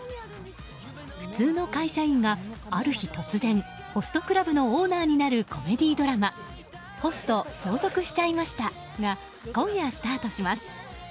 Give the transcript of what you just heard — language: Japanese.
普通の会社員がある日突然ホストクラブのオーナーになるコメディードラマ「ホスト相続しちゃいました」が今夜スタートします。